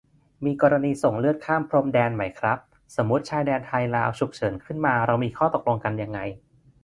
มีกรณีส่งเลือดข้ามพรมแดนไหมครับ สมมติชายแดนไทย-ลาว ฉุกเฉินขึ้นมาเรามีข้อตกลงกันยังไง